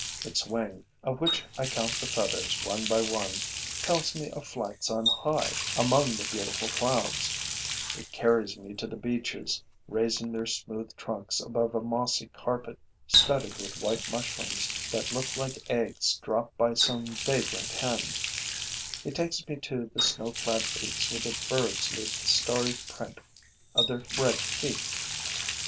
Its wing, of which I count the feathers one by one, tells me of flights on high, among the beautiful clouds; it carries me to the beeches raising their smooth trunks above a mossy carpet studded with white mushrooms that look like eggs dropped by some vagrant hen; it takes me to the snow clad peaks where the birds leave the starry print of their red feet.